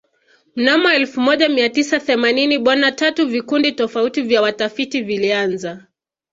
Mnamo elfu moja Mia tisa themanini bona tatu vikundi tofauti vya watafiti vilianza